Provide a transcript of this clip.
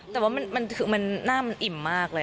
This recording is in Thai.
แต่ว่าหน้ามันอิ่มมากเลย